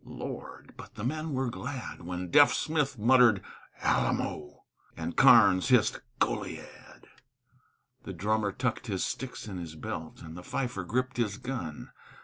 Lord! but the men were glad When Deaf Smith muttered "Alamo!" And Karnes hissed "Goliad!" The drummer tucked his sticks in his belt, And the fifer gripped his gun.